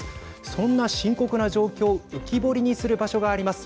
そんな深刻な状況を浮き彫りにする場所があります。